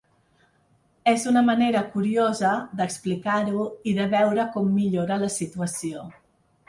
És una manera curiosa d’explicar-ho i de veure com millora la situació.